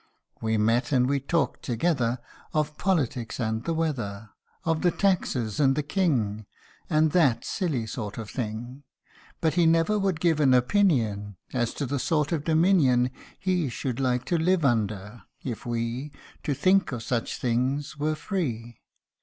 We met and we talked together Of politics and the weather, Of the taxes and the king, And that silly sort of thing ; But he never would give an opinion As to the sort of dominion He should like to live under, if we To think of such things were free.